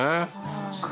そっか